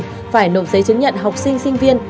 phải nộp giấy chứng nhận học sinh sinh viên